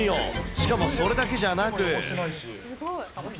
しかも、それだけじゃなく。